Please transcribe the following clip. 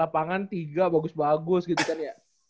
lapangan tiga bagus bagus gitu kan ya